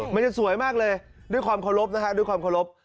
มันจะสวยมากเลยด้วยความขอบรบนะครับด้วยความขอบรบ